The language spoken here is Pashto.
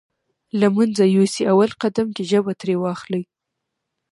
له منځه يوسې اول قدم کې ژبه ترې واخلئ.